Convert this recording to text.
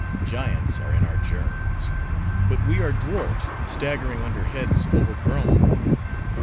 Giants are in our germs; but we are dwarfs, staggering under heads overgrown.